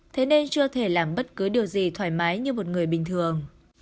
thế nên chưa thể làm bất cứ điều gì thoải mái như một người bình thường